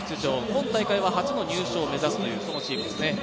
今大会は初の入賞を目指すそのチームですね。